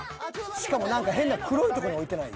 ［しかも何か変な黒いとこに置いてない？］